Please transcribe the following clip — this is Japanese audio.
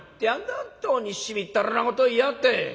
本当にしみったれなことを言いやがって！